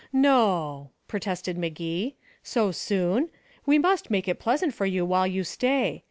"No," protested Magee. "So soon? We must make it pleasant for you while you stay.